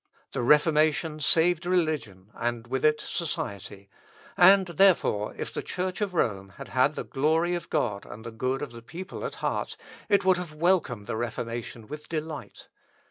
The Reformation saved religion, and with it society, and, therefore, if the Church of Rome had had the glory of God and the good of the people at heart, it would have welcomed the Reformation with delight.